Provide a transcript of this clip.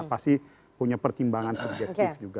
pasti punya pertimbangan subjektif juga